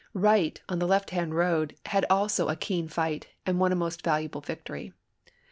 Wright, p™^'" on the left hand road, had also a keen fight, and won a most valuable victory.